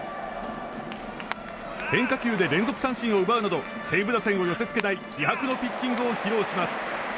変化球で連続三振を奪うなど西武打線を寄せ付けない気迫のピッチングを披露します。